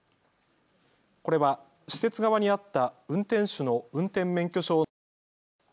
これは施設側にあった運転手の運転免許証のコピーです。